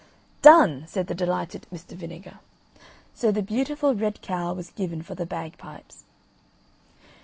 "Done!" said the delighted Mr. Vinegar. So the beautiful red cow was given for the bagpipes.